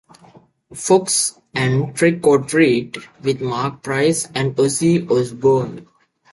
Fox, and "Trick or Treat" with Marc Price and Ozzy Osbourne.